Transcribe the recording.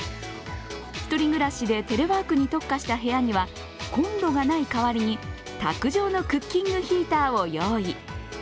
１人暮らしでテレワークに特化した部屋にはコンロがない代わりに卓上のクッキングヒーターを用意。